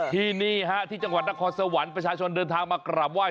ที่นี่ฮะที่จังหวัดนครสวรรค์ประชาชนเดินทางมากราบไห้